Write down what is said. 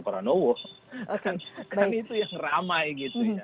karena itu yang ramai